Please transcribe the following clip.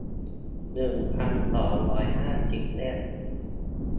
หนึ่งพันสองร้อยห้าสิบ เล่ม